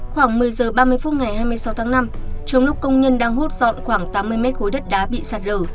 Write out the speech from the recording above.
khoảng một mươi giờ ba mươi phút ngày hai mươi sáu tháng năm trong lúc công nhân đang hút dọn khoảng tám mươi mét khối đất đá bị sạt lở